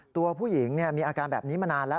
ตัวผู้หญิงมีอาการแบบนี้มานานแล้ว